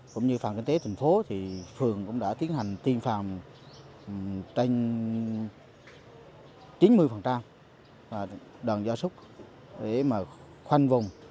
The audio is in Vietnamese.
cũng như phòng kinh tế thành phố thì phường cũng đã tiêm phòng chín mươi đoàn do súc để khoanh vùng